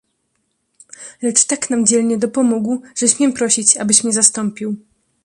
"Lecz tak nam dzielnie dopomógł, że śmiem prosić abyś mnie zastąpił."